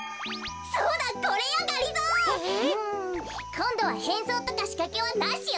こんどはへんそうとかしかけはなしよ。